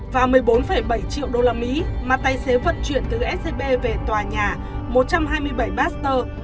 và một mươi bốn bảy triệu đô la mỹ mà tài xế vận chuyển từ scb về tòa nhà một trăm hai mươi bảy baxter